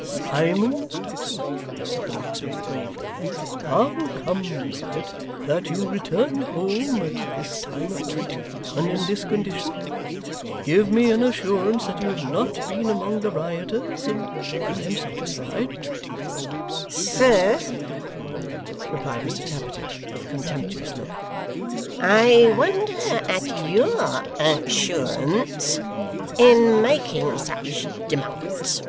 'Simon,' said the locksmith gravely, 'how comes it that you return home at this time of night, and in this condition? Give me an assurance that you have not been among the rioters, and I am satisfied.' 'Sir,' replied Mr Tappertit, with a contemptuous look, 'I wonder at YOUR assurance in making such demands.